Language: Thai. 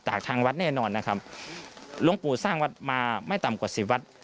จากทางวัดแน่นอนนะครับหลวงปู่สร้างวัดมาไม่ต่ำกว่าสิบวัด